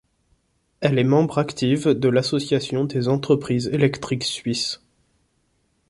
Elle est membre active de l'association des entreprises électriques suisses.